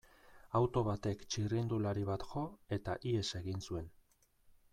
Auto batek txirrindulari bat jo, eta ihes egin zuen.